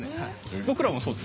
僕らもそうですね。